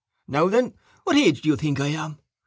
Now, then! What age do you think I am?